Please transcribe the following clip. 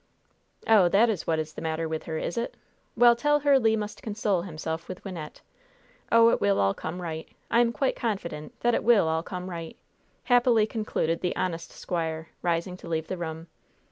"Oh, that is what is the matter with her, is it? Well, tell her Le must console himself with Wynnette! Oh, it will all come right! I am quite confident that it will all come right!" happily concluded the honest squire, rising to leave the room.